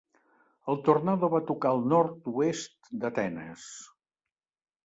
El tornado va tocar el nord-oest d'Atenes.